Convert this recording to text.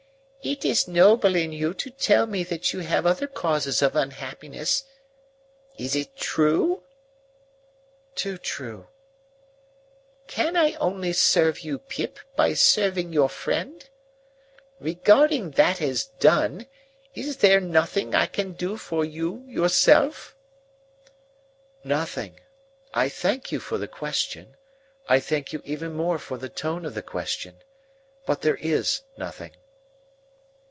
"It is noble in you to tell me that you have other causes of unhappiness. Is it true?" "Too true." "Can I only serve you, Pip, by serving your friend? Regarding that as done, is there nothing I can do for you yourself?" "Nothing. I thank you for the question. I thank you even more for the tone of the question. But there is nothing."